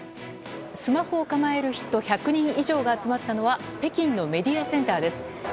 スマホを構える人１００人以上が集まったのは北京のメディアセンターです。